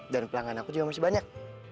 dan pelanggan aku juga masih banyak